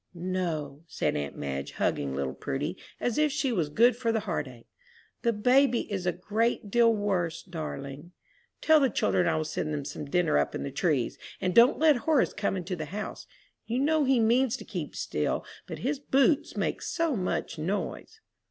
"No," said aunt Madge, hugging little Prudy as if she was good for the heartache, "the baby is a great deal worse, darling! Tell the children I will send them some dinner up in the trees, and don't let Horace come into the house. You know he means to keep still, but his boots make so much noise."